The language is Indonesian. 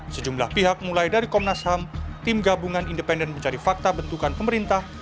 sejumlah pihak mulai dari komnas ham tim gabungan independen mencari fakta bentukan pemerintah